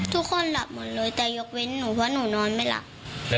ทุกคนหลับหมดเลยแต่ยกเว้นหนูเพราะหนูนอนไม่หลับ